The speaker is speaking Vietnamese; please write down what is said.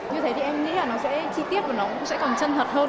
như thế thì em nghĩ là nó sẽ chi tiết và nó cũng sẽ còn chân thật hơn